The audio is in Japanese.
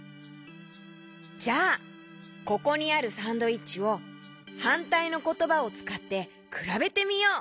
じゃあここにあるサンドイッチをはんたいのことばをつかってくらべてみよう！